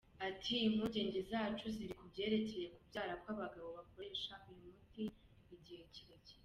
Ati “Impungenge zacu ziri ku byerekeye kubyara kw’abagabo bakoresha uyu muti igihe kirekire.